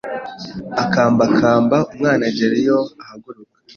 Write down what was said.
akambakamba umwana agera iyo ahaguruka